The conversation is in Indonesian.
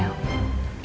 yang membuat kamu hamil